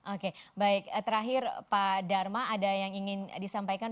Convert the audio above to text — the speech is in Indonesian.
oke baik terakhir pak dharma ada yang ingin disampaikan